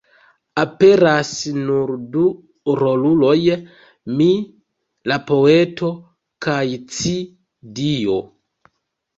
Aperas nur du roluloj: "mi", la poeto; kaj "ci", Dio.